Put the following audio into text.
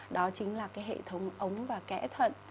đó chính là cái hệ thống ống và kẽ thận